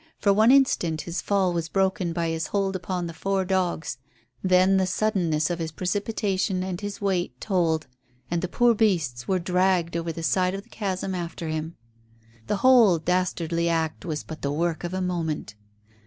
For one instant his fall was broken by his hold upon the four dogs, then the suddenness of his precipitation and his weight told, and the poor beasts were dragged over the side of the chasm after him. The whole dastardly act was but the work of a moment.